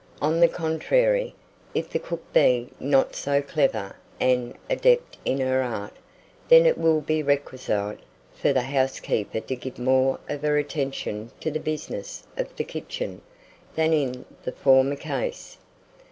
On the contrary, if the cook be not so clever an adept in her art, then it will be requisite for the housekeeper to give more of her attention to the business of the kitchen, than in the former case.